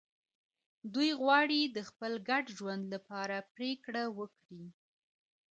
دوی غواړي د خپل ګډ ژوند لپاره پرېکړه وکړي.